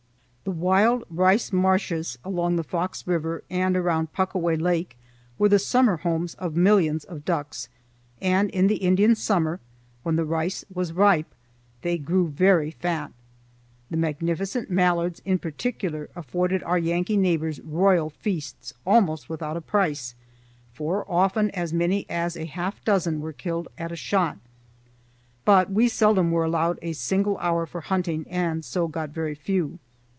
The wild rice marshes along the Fox River and around Pucaway Lake were the summer homes of millions of ducks, and in the Indian summer, when the rice was ripe, they grew very fat. The magnificent mallards in particular afforded our Yankee neighbors royal feasts almost without price, for often as many as a half dozen were killed at a shot, but we seldom were allowed a single hour for hunting and so got very few.